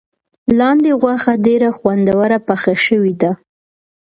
لاندي غوښه ډېره خوندوره پخه شوې ده.